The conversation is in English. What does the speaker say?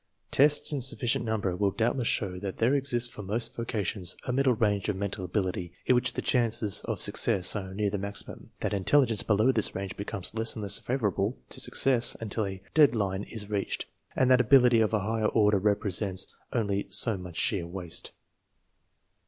Tests in sufficient number will doubtless show that there exists for most vocations a middle range of men tal ability in which the chances of success are near the maximum, that intelligence below this range becomes less and less favorable to success until a " dead line " is reached, and that ability of a higher order represents only so much sheer waste.